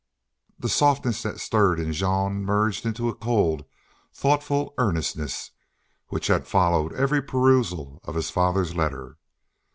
The softness that stirred in Jean merged into a cold, thoughtful earnestness which had followed every perusal of his father's letter.